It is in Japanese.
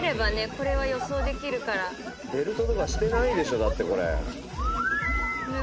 これは予想できるからベルトとかしてないでしょだって